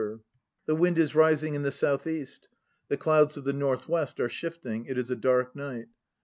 64 THE NO PLAYS OF JAPAN The wind is rising in the south east. The clouds of the north west are shifting; it is a dark night.